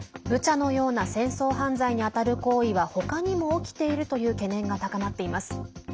ブチャのような戦争犯罪に当たる行為はほかにも起きているという懸念が高まっています。